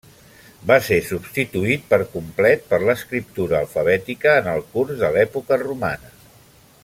Va ser substituït per complet per l'escriptura alfabètica en el curs de l'època romana.